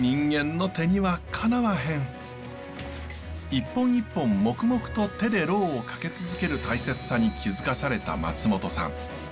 一本一本黙々と手でろうをかけ続ける大切さに気づかされた松本さん。